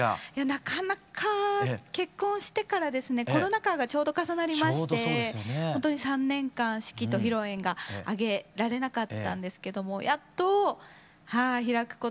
なかなか結婚してからですねコロナ禍がちょうど重なりましてほんとに３年間式と披露宴が挙げられなかったんですけどもやっとはい開くことができてですね